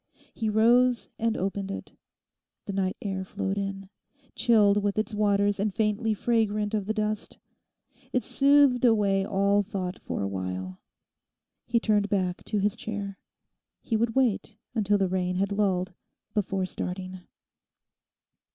He rose and opened it. The night air flowed in, chilled with its waters and faintly fragrant of the dust. It soothed away all thought for a while. He turned back to his chair. He would wait until the rain had lulled before starting....